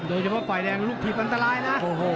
โดยเฉพาะฝ่ายแดงลูกถีบอันตรายนะ